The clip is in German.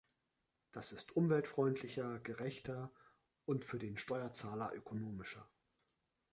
Das ist umweltfreundlicher, gerechter und für den Steuerzahler ökonomischer.